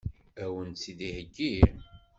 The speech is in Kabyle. Ad wen-tt-id-iheggi?